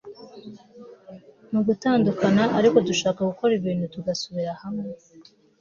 mu gutandukana ariko dushaka gukora ibintu tugasubira hamwe